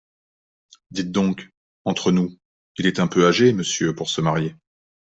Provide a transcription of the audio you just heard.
Dites donc… entre nous… il est un peu âgé, Monsieur, pour se marier…